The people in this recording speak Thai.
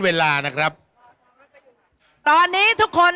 เวลาดีเล่นหน่อยเล่นหน่อย